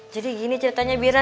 jadi gini ceritanya bira